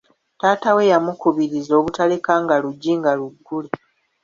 Taata we yamukubiriza obutalekanga luggi nga luggule.